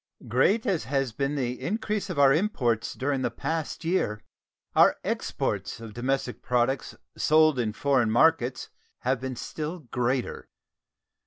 Great as has been the increase of our imports during the past year, our exports of domestic products sold in foreign markets have been still greater.